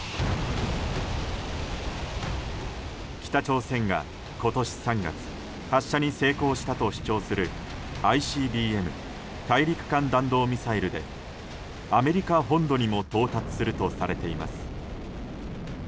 北朝鮮が今年３月発射に成功したと主張するＩＣＢＭ・大陸間弾道ミサイルでアメリカ本土にも到達するとされています。